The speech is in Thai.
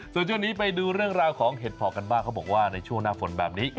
ส่วนช่วงนี้ไปดูเรื่องราวของเห็ดเพาะกันบ้างเขาบอกว่าในช่วงหน้าฝนแบบนี้